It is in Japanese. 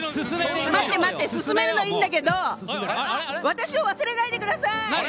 進めるのはいいんだけど私を忘れないでください！